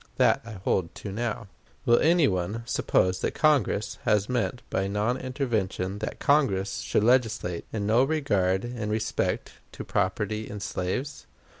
That I hold to now. Will any one suppose that Congress then meant by non intervention that Congress should legislate in no regard in respect to property in slaves?